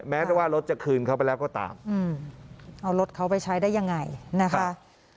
แม้แต่ว่ารถจะคืนเขาไปแล้วก็ตามเอารถเขาไปใช้ได้ยังไงนะคะ